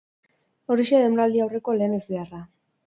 Horixe denboraldi aurreko lehen ezbeharra.